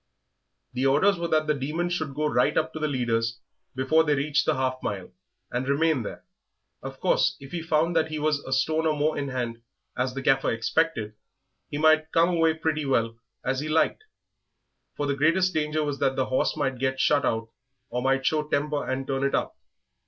The orders were that the Demon should go right up to the leaders before they reached the half mile, and remain there. Of course, if he found that he was a stone or more in hand, as the Gaffer expected, he might come away pretty well as he liked, for the greatest danger was that the horse might get shut out or might show temper and turn it up.